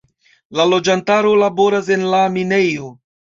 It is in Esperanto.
La loĝantaro laboras en la minejo.